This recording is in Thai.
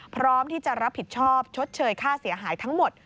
พร้อมที่จะรับผิดชอบชดเชยค่าเสียหายทั้งหมด